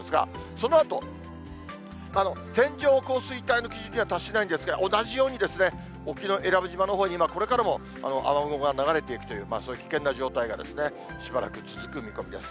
そのあと、線状降水帯の基準には達しないんですが、同じように沖永良部島のほうに、今、これからも雨雲が流れていくという、そういう危険な状態がしばらく続く見込みです。